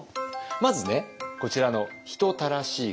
まずねこちらの「人たらし粥！？」